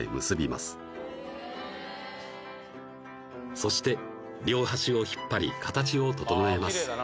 そして両端を引っ張り形を整えます